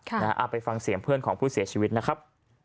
เอาไปฟังเสียงเพื่อนของผู้เสียชีวิตนะครับ